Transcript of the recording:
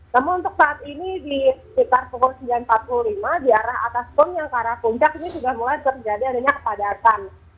namun untuk saat ini di sekitar pukul sembilan empat puluh lima di arah atas pun yang ke arah puncak ini sudah mulai terjadi adanya kepadatan